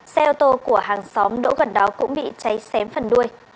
xe ô tô của hàng xóm đỗ gần đó cũng bị cháy xém phần đuôi